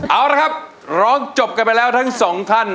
เอาละครับร้องจบกันไปแล้วทั้งสองท่าน